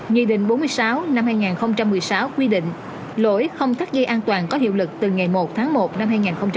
nghị định bốn mươi sáu năm hai nghìn một mươi sáu quy định lỗi không thắt dây an toàn có hiệu lực từ ngày một tháng một năm hai nghìn hai mươi